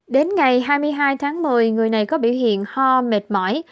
đến ngày hai mươi hai tháng một mươi người này có biểu hiện ho mệt mỏi